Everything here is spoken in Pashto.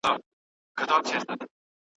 توتکۍ چي ځالګۍ ته را ستنه سوه